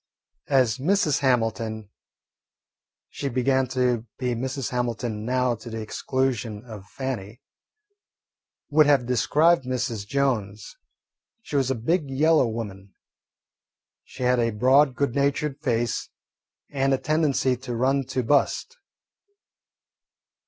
As Mrs. Hamilton she began to be Mrs. Hamilton now, to the exclusion of Fannie would have described Mrs. Jones, she was a "big yellow woman." She had a broad good natured face and a tendency to run to bust.